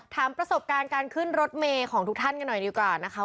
ถามประสบการณ์การขึ้นรถเมย์ของทุกท่านกันหน่อยดีกว่านะคะ